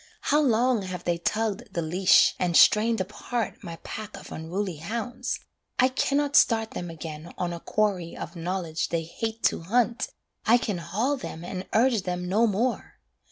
How long have they tugged the leash, and strained apart My pack of unruly hounds: I cannot start Them again on a quarry of knowledge they hate to hunt, I can haul them and urge them no more.